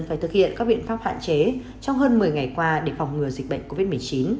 phải thực hiện các biện pháp hạn chế trong hơn một mươi ngày qua để phòng ngừa dịch bệnh covid một mươi chín